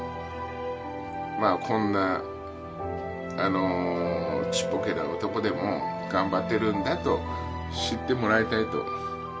まあこんなちっぽけな男でも頑張ってるんだと知ってもらいたいと。